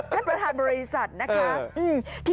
ท่านประธานบริษัทนะคะ